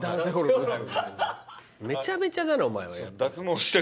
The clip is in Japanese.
めちゃめちゃだなお前は。